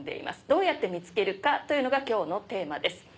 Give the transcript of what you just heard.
どうやって見つけるかというのが今日のテーマです。